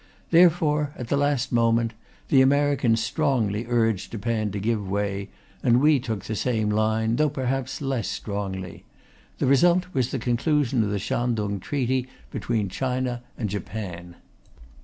Therefore, at the last moment, the Americans strongly urged Japan to give way, and we took the same line, though perhaps less strongly. The result was the conclusion of the Shantung Treaty between China and Japan.